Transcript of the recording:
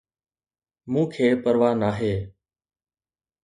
مون کي پرواه ناهي